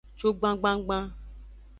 Cugban gbangban.